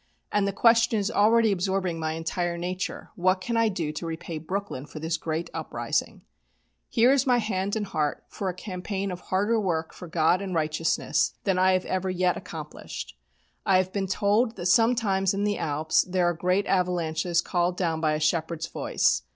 And the question is already absorbing my entire nature, 'What can I do to repay Brooklyn for this great uprising?' Here is my hand and heart for a campaign of harder work for God and righteousness than I have ever yet accomplished. I have been told that sometimes in the Alps there are great avalanches called down by a shepherd's voice.